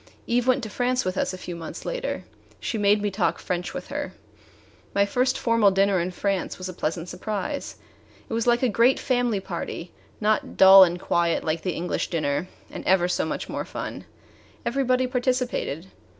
Eve went to France with us a few months later. She made me talk French with her. My first formal dinner in France was a pleasant surprise. It was like a great family party not dull and quiet like the English dinner, and ever so much more fun. Everybody participated.